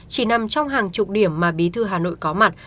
chỉ nằm trong hàng chục điểm mà bí thư hà nội có mặt